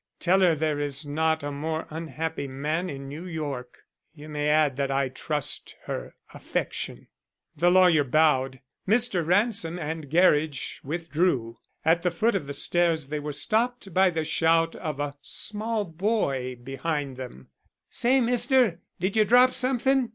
Tell her there is not a more unhappy man in New York; you may add that I trust her affection." The lawyer bowed. Mr. Ransom and Gerridge withdrew. At the foot of the stairs they were stopped by the shout of a small boy behind them. "Say, mister, did you drop something?"